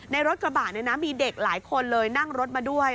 ในรถกระบะเนี่ยนะมีเด็กหลายคนเลยนั่งรถมาด้วย